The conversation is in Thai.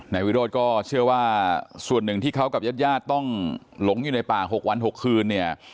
นายวิโรธก็เชื่อว่าส่วนหนึ่งที่เขากับญาติญาติต้องหลงอยู่ในป่า๖วัน๖คืนเนี่ย